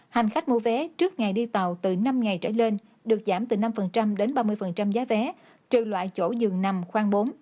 hành khách mua vé trước ngày đi tàu từ năm ngày trở lên được giảm từ năm đến ba mươi giá vé trừ loại chỗ dừng nằm khoang bốn